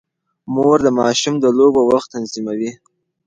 مور د ماشوم د لوبو وخت تنظیموي.